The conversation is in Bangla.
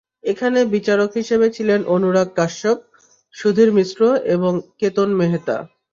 এখানে বিচারক হিসেবে ছিলেন অনুরাগ কাশ্যপ, সুধীর মিশ্র এবং কেতন মেহতা।